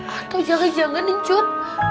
atau jangan jangan cud